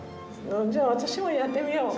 じゃあ私もやってみよう。